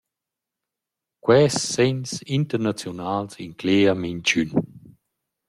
«Quels segns internaziunals inclegia minchün.